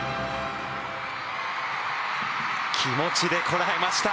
気持ちでこらえました。